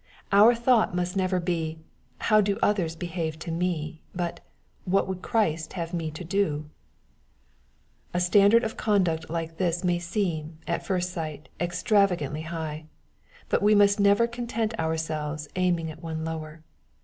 Our thought must never be, " how do others behave to me ?" but " what would Christ have me to do ?" A standard of conduct like this may seem, at first sight^ extravagantly high. But we must never content our selves with aiming at one lower.